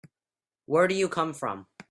Where do you come from?